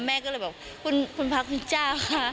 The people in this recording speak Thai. แม่ก็เลยบอกคุณพระคุณเจ้าค่ะ